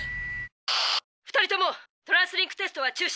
「２人ともトランスリンク・テストは中止だ。